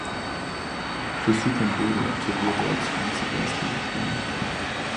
Für Suphanburi absolvierte er zwanzig Erstligaspiele.